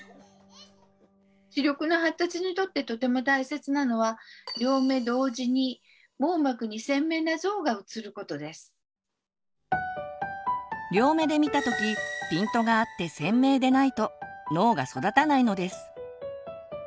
視力の発達にとってとても大切なのは両目で見た時ピントが合って鮮明でないと脳が育たないのです。